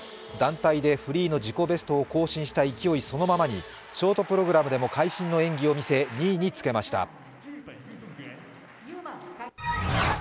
団体でフリーの自己ベストを更新した勢いそのままにショートプログラムでも会心の滑りを見せ２位につけました。